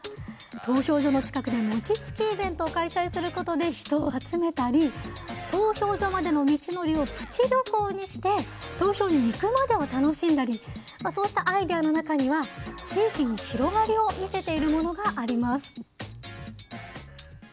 投票所の近くでもちつきイベントを開催することで人を集めたり投票所までの道のりをプチ旅行にして投票に行くまでを楽しんだりそうしたアイデアの中には地域に広がりを見せているものがあります。